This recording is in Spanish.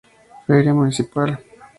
Feria Municipal.